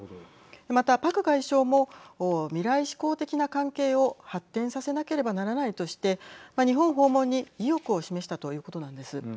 また、パク外相も未来志向的な関係を発展させなければならないとして日本訪問に意欲を示したということなんです。